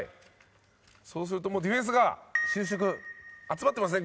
そうするとディフェンスが集まってますね。